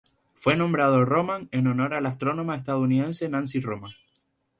Fue nombrado Roman en honor a la astrónoma estadounidense Nancy Roman.